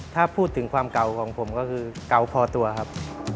ถ้าพูดถึงความเก่าของผมก็คือเก่าพอตัวครับ